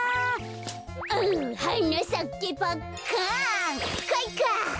「うはなさけパッカン」かいか！